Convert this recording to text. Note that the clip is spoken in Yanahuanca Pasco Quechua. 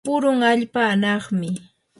purun allpa anaqmi.